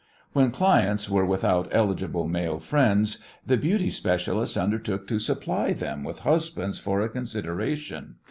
When clients were without eligible male friends the "beauty specialist" undertook to supply them with husbands for a consideration.